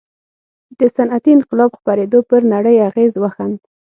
د صنعتي انقلاب خپرېدو پر نړۍ اغېز وښند.